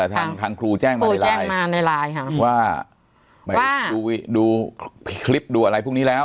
ทางครูแจ้งมาในไลน์ว่าดูคลิปดูอะไรพรุ่งนี้แล้ว